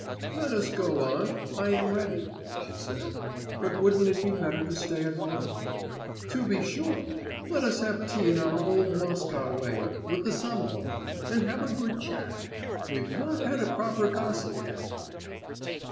'Let us go, aunt, I am ready,' she said, 'but wouldn't it be better to stay at home?' 'To be sure! Let us have tea in our own old Moscow way, with the samovar, and have a good chat. We've not had a proper gossip yet.